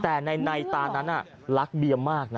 แต่ในตานั้นรักเบียมากนะ